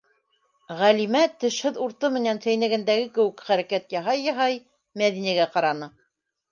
- Ғәлимә, тешһеҙ урты менән сәйнәгәндәге кеүек хәрәкәт яһай-яһай, Мәҙинәгә ҡараны.